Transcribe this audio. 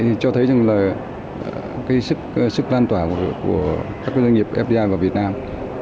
thì cho thấy rằng là cái sức lan tỏa của các doanh nghiệp fdi vào việt nam